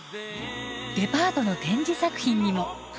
デパートの展示作品にも。